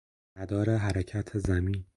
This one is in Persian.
مدار حرکت زمین